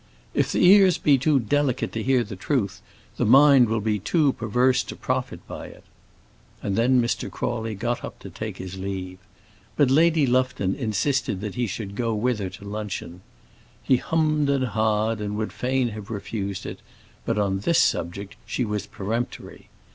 "If the ears be too delicate to hear the truth, the mind will be too perverse to profit by it." And then Mr. Crawley got up to take his leave. But Lady Lufton insisted that he should go with her to luncheon. He hummed and ha'd and would fain have refused, but on this subject she was peremptory.